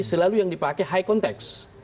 selalu yang dipakai high context